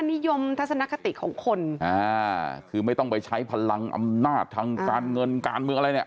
นิยมทัศนคติของคนอ่าคือไม่ต้องไปใช้พลังอำนาจทางการเงินการเมืองอะไรเนี่ย